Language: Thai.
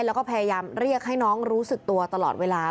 แล้วก็พยายามเรียกให้น้องรู้สึกตัวตลอดเวลา